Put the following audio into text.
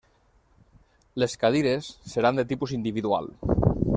Les cadires seran de tipus individual.